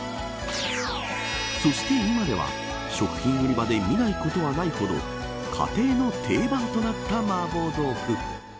そして、今では食品売り場で見ないことはないほど家庭の定番となったマーボー豆腐。